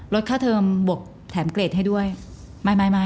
ลดค่าเทอมบวกแถมเกรดให้ด้วยไม่